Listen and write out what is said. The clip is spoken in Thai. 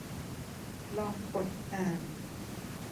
ลองกดอ่าน